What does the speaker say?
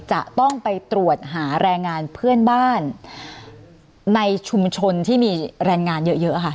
จะต้องไปตรวจหาแรงงานเพื่อนบ้านในชุมชนที่มีแรงงานเยอะค่ะ